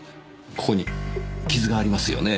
ここに傷がありますよね。